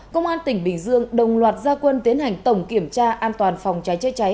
công an tỉnh bình dương đồng loạt gia quân tiến hành tổng kiểm tra an toàn phòng cháy chữa cháy